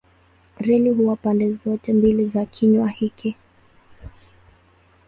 Reli huwa pande zote mbili za kinywa hiki.